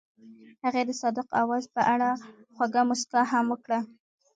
هغې د صادق اواز په اړه خوږه موسکا هم وکړه.